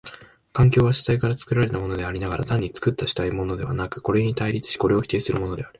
環境は主体から作られたものでありながら、単に作った主体のものではなく、これに対立しこれを否定するものである。